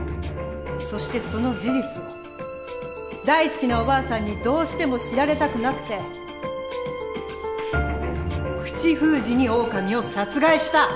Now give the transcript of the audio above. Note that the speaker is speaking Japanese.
そしてその事実を大好きなおばあさんにどうしても知られたくなくて口封じにオオカミを殺害した！